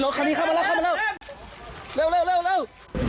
รถค่ะนี้ข้าวมาแล้ว